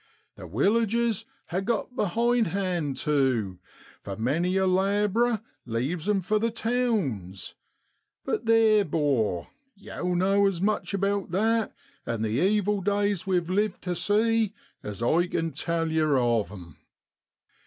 1 The willages ha' got behindhand tu, for many a lab'rer leaves 'em for the towns; but theer, 'bor, yow know as much about that, and the evil days we've lived tu see, as I ken tell yer of 'em.'